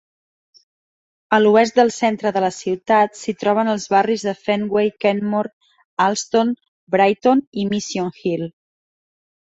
A l'oest del centre de la ciutat s'hi troben els barris de Fenway Kenmore, Allston, Brighton i Mission Hill.